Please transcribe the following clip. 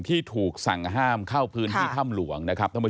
ที่ถูกสั่งห้ามเข้าพืนที่ถ้ำหลวง